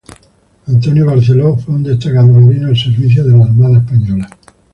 Antonio Barceló fue un destacado marino al servicio de la Armada española.